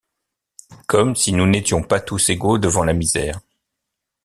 Comme si nous n’étions pas tous égaux devant la misère!